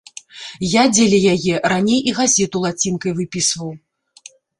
Я дзеля яе раней і газету лацінкай выпісваў.